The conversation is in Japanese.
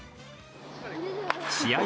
試合